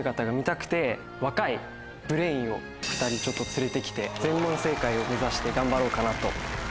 ２人ちょっと連れてきて全問正解を目指して頑張ろうかなと。